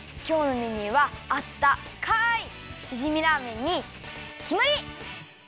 きょうのメニューはあったかいしじみラーメンにきまり！